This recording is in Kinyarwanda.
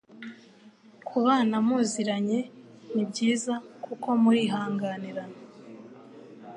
Kubana muziranye ni byiza kuko murihanganirana